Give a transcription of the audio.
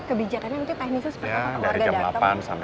kebijakannya nanti teknisnya seperti apa